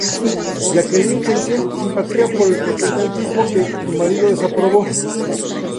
Jacqueline sentía simpatía por el protestantismo que su marido desaprobó.